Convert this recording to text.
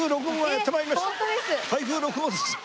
台風６号です。